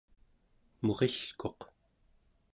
murilkuq